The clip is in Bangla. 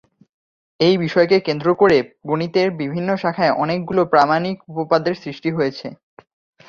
এই বিষয়কে কেন্দ্র করে গণিতের বিভিন্ন শাখায় অনেকগুলো প্রামাণিক উপপাদ্যের সৃষ্টি হয়েছে।